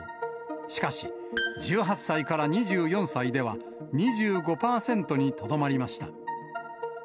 しかし、１８歳から２４歳では２５％にとどまりました。